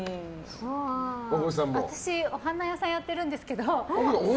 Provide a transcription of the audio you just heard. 私、お花屋さんをやってるんですけど。